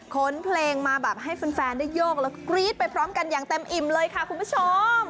เพลงมาแบบให้แฟนได้โยกแล้วกรี๊ดไปพร้อมกันอย่างเต็มอิ่มเลยค่ะคุณผู้ชม